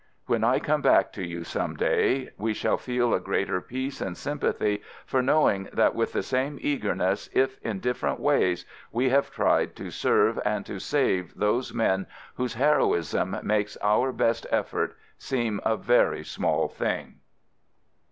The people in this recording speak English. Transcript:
When I come back to you some day, we shall feel a greater peace and sympathy for knowing that with the same eagerness, if in different ways, we have tried to serve and to save those men whose heroism makes our best effort seem a very small thing.